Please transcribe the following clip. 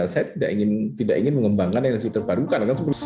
saya tidak ingin mengembangkan energi terbarukan